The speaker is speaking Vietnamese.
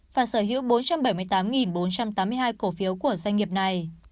và sở hữu bốn trăm bảy mươi tám bốn trăm tám mươi hai cổ phiếu của doanh nghiệp này